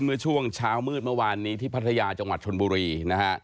เมื่อช่วงเช้ามืดเมื่อวานนี้ที่พัทยาจังหวัดชนบุรีนะฮะ